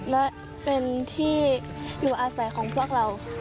และเป็นที่อยู่อาศัยของพวกเรา